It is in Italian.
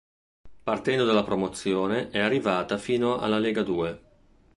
Partendo dalla Promozione è arrivata fino alla Legadue.